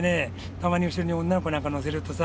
たまに後ろに女の子なんか乗せるとさ